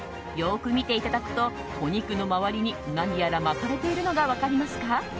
よく見ていただくとお肉の周りに、何やら巻かれているのが分かりますか？